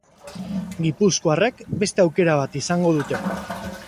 Gipuzkoarrek beste aukera bat izango dute.